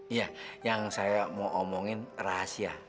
iya yang saya mau omongin rahasia